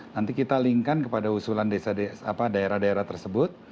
nanti kita link kan kepada usulan daerah daerah tersebut